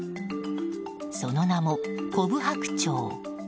その名もコブハクチョウ。